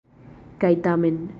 Kaj tamen.